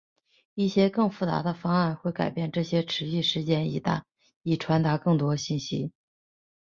一些更复杂的方案会改变这些持续时间以传达更多信息。